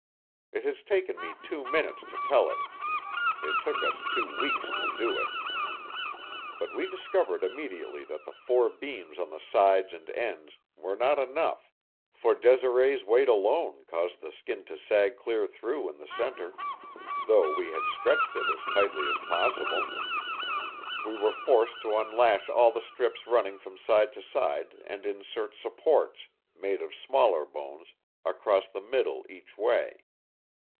It has taken me two minutes to tell it; it took us two weeks to do it. But we discovered immediately that the four beams on the sides and ends were not enough, for Desiree's weight alone caused the skin to sag clear through in the center, though we had stretched it as tightly as possible. We were forced to unlash all the strips running from side to side and insert supports, made of smaller bones, across the middle each way.